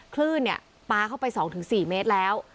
คลื่นปลาเข้าไป๒๔เมตรแล้ว